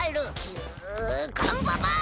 キューカンババン！